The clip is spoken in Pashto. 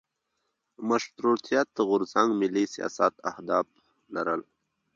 مشروطیت غورځنګ ملي سیاست اهداف لرل.